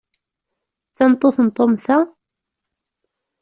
D tameṭṭut n Tom, ta?